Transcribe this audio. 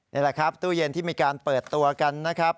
นี่แหละครับตู้เย็นที่มีการเปิดตัวกันนะครับ